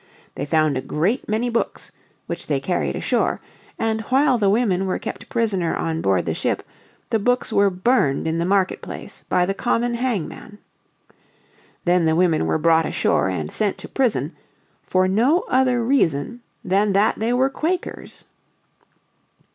They found a great many books, which they carried ashore, and while the women were kept prisoner on board the ship the books were burned in the market place by the common hangman. Then the women were brought ashore and sent to prison, for no other reason than that they were Quakers.